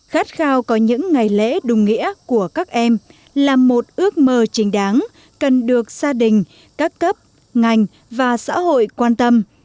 khát khao có những ngày lễ đồng nghĩa của các em là một ước mơ trình đáng cần được gia đình các cấp ngành và xã hội quan tâm